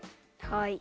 はい。